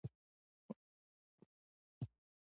د ولسي جرګو غړي ځوانان کيدای سي.